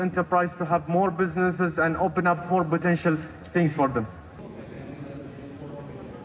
untuk memiliki lebih banyak bisnis dan membuka lebih banyak potensi bagi mereka